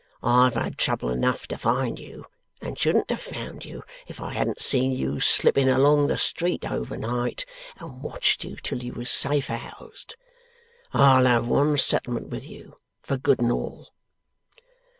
I've had trouble enough to find you, and shouldn't have found you, if I hadn't seen you slipping along the street overnight, and watched you till you was safe housed. I'll have one settlement with you for good and all.